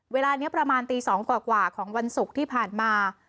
เวลานี้ประมาณตี๒กว่าของวันศุกร์ที่ผ่านมา